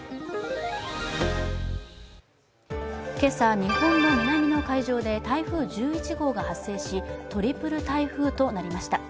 今朝、日本の南の海上で台風１１号が発生し、トリプル台風となりました。